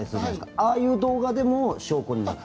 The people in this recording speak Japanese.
ああいう動画でも証拠になる？